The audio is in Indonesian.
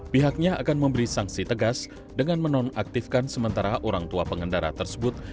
pihaknya akan memberi sanksi tegas dengan menonaktifkan sementara orang tua pengendara tersebut